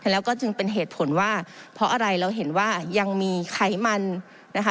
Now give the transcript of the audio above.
แล้วก็จึงเป็นเหตุผลว่าเพราะอะไรเราเห็นว่ายังมีไขมันนะคะ